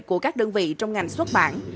của các đơn vị trong ngành xuất bản